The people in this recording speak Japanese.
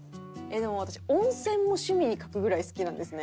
でも私温泉も趣味に書くぐらい好きなんですね。